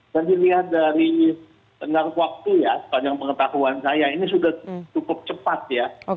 dilihat dari tengah waktu ya sepanjang pengetahuan saya ini sudah cukup cepat ya